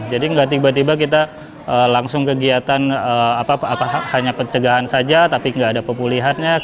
jadi nggak tiba tiba kita langsung kegiatan hanya pencegahan saja tapi nggak ada pemulihannya